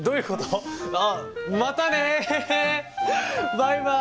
バイバイ！